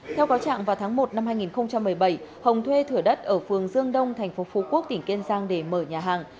theo cáo trạng vào tháng một năm hai nghìn một mươi bảy hồng thuê thửa đất ở phường dương đông thành phố phú quốc tỉnh kiên giang để mở nhà hàng